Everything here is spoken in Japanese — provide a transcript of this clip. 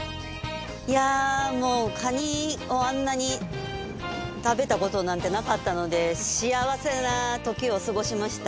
いやもうカニをあんなに食べたことなんてなかったので幸せな時を過ごしました。